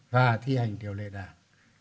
và thi hành điều lệ đảng